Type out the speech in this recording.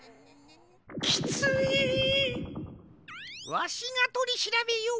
わしがとりしらべよう！